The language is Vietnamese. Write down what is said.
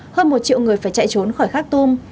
hơn một triệu người phải chạy trốn khỏi khắc tum